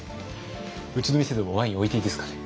うちの店でもワイン置いていいですかね？